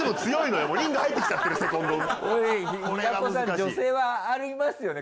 女性はありますよね